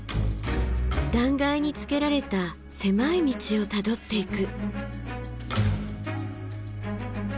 断崖につけられた狭い道をたどっていく。